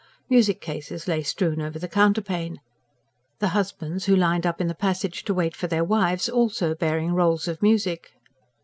Music cases lay strewn over the counterpane; the husbands who lined up in the passage, to wait for their wives, also bearing rolls of music.